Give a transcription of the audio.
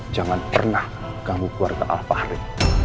jangan pernah kamu keluarga al fahri